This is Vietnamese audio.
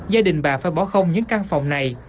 gia đình bà phải bỏ không những căn phòng này